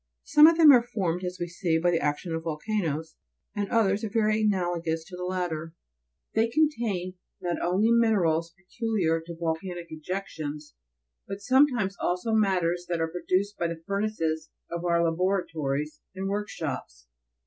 Some of them are formed, as we see, by the action of volcanoes, and others are very analogous to the latter; they contain not only minerals peculiar to volcanic ejections, but sometimes also matters that are produced by the furnaces of our laboratories and Work shops.